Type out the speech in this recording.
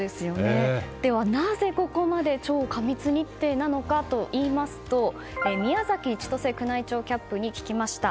ではなぜ、ここまで超過密日程なのかといいますと宮城千歳宮内庁キャップに聞きました。